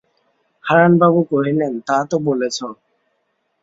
হারানবাবু কহিলেন, তা তো বলেছ।